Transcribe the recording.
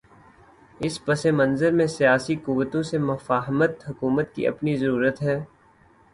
اس پس منظر میں سیاسی قوتوں سے مفاہمت حکومت کی اپنی ضرورت ہے۔